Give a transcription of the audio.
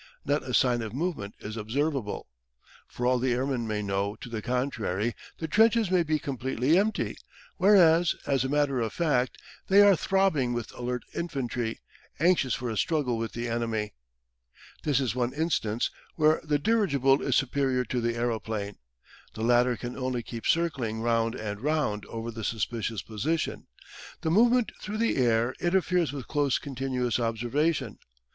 Not a sign of movement is observable. For all the airman may know to the contrary, the trenches may be completely empty, whereas, as a matter of fact, they are throbbing with alert infantry, anxious for a struggle with the enemy. This is one instance where the dirigible is superior to the aeroplane. The latter can only keep circling round and round over the suspicious position; the movement through the air interferes with close continuous observation.